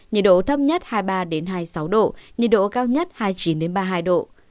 nhiệt độ thấp nhất hai mươi ba hai mươi sáu độ nhiệt độ cao nhất hai mươi chín ba mươi hai độ